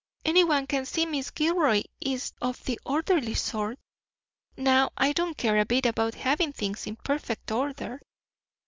Anyone can see Miss Gilroy is of the orderly sort. Now, I don't care a bit about having things in perfect order."